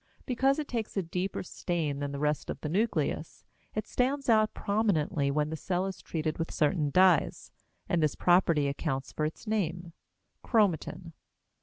Because it takes a deeper stain than the rest of the nucleus, it stands out prominently when the cell is treated with certain dyes, and this property accounts for its name chromatin.